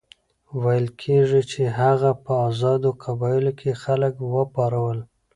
ویل کېږي چې هغه په آزادو قبایلو کې خلک وپارول.